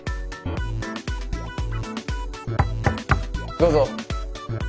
どうぞ。